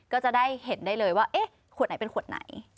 ก็จะได้เห็นได้เลยว่าเอ๊ะขวดไหนเป็นขวดไหน